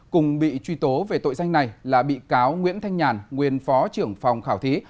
cùng bị truy tố về tội danh này là bị cáo nguyễn thanh nhàn nguyên phó trưởng phòng khảo thí